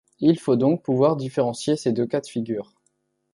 Il faut donc pouvoir différencier ces deux cas de figures.